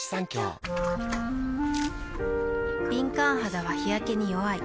敏感肌は日焼けに弱い。